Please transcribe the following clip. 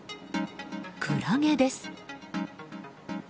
クラゲです。